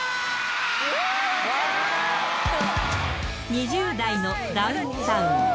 ２０代のダウンタウン。